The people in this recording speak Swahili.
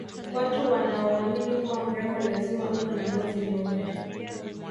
watu wanaoamini kuwa mrembo lazima uwe na ngozi nyeupe